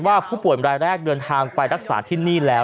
ว่าผู้ป่วยรายแรกเดินทางไปรักษาที่นี่แล้ว